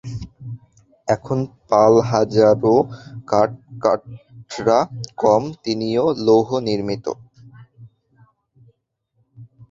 এখন পাল-জাহাজেও কাঠ-কাঠরা কম, তিনিও লৌহনির্মিত।